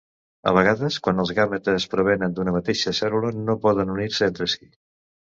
A vegades, quan els gàmetes provenen d'una mateixa cèl·lula no poden unir-se entre si.